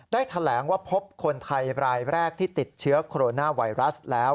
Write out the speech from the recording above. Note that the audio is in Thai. แถลงว่าพบคนไทยรายแรกที่ติดเชื้อโคโรนาไวรัสแล้ว